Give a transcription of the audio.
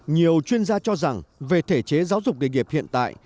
nhiều chuyên gia cho rằng về thể chế giáo dục nghề nghiệp hiện tại